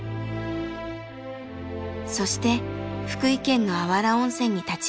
そして福井県の芦原温泉に立ち寄りました。